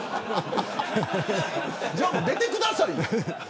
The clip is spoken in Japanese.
じゃあ出てくださいよ。